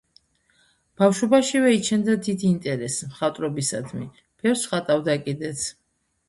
ბავშვობაშივე იჩენდა დიდ ინტერესს მხატვრობისადმი, ბევრს ხატავდა კიდეც.